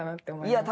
いや